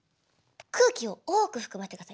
空気を多く含ませてください。